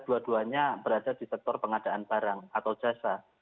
dua duanya berada di sektor pengadaan barang atau jasa